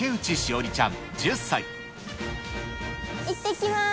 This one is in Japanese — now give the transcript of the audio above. いってきます。